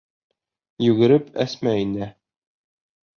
Йүгереп Әсмә инә.